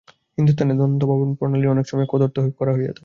হিন্দুদের দন্তধাবন-প্রণালীর অনেক সময়ে কদর্থ করা হইয়া থাকে।